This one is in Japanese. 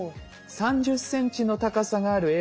３０ｃｍの高さがあるＡ